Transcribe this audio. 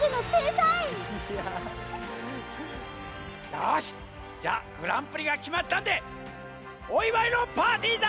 よしじゃあグランプリがきまったんでおいわいのパーティーだ！